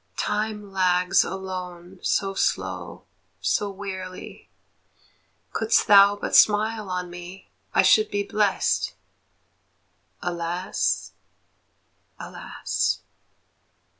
Time lags alone so slow, so wearily; Couldst thou but smile on me, I should be blest. Alas, alas!